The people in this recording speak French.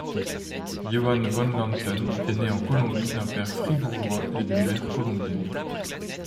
Johan Vonlanthen est né en Colombie d'un père fribourgeois et d'une mère colombienne.